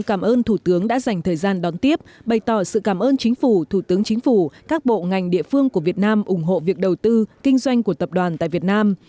cảm ơn sự cảm ơn chính phủ thủ tướng chính phủ các bộ ngành địa phương của việt nam ủng hộ việc đầu tư kinh doanh của tập đoàn tại việt nam